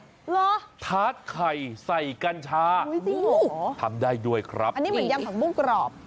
เหรอทาสไข่ใส่กัญชาทำได้ด้วยครับอันนี้เหมือนยำผักบุ้งกรอบ